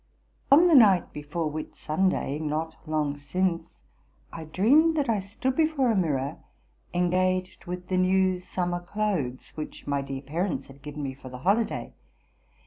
On the night before Whitsunday, not long since, I dreamed that I stood before a mirror engaged with the new summer clothes which my dear parents had given me for the holiday.